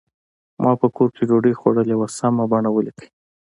ما په کور کې ډوډۍ خوړلې وه سمه بڼه ولیکئ.